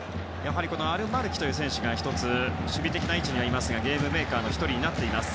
アルマルキという選手が守備的な位置に入ますがゲームメーカーの１人になっています。